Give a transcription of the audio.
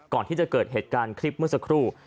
ก่อนที่จะเกิดเหตุการณ์คลิปเมื่อสักครู่